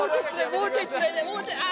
もうちょいつないでもうちょいあ！